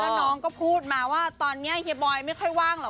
แล้วน้องก็พูดมาว่าตอนนี้เฮียบอยไม่ค่อยว่างหรอก